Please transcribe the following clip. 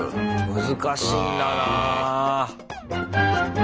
難しいんだな。